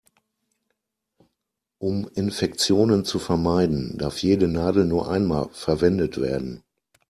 Um Infektionen zu vermeiden, darf jede Nadel nur einmal verwendet werden.